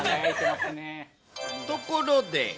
ところで。